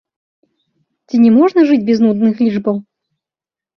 Ці не можна жыць без нудных лічбаў?